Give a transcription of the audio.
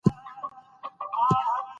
لوگر د افغانستان د طبیعت برخه ده.